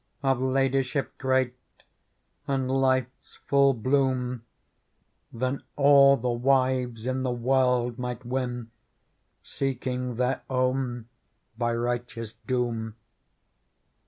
Of ladyship great and life's full bloom, Than all the wives in the world might win, Seeking their own by righteous doom.